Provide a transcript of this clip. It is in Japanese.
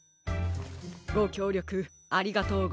ごきょうりょくありがとうございます。